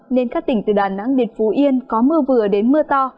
nên các tỉnh từ đà nẵng đến phú yên có mưa vừa đến mưa to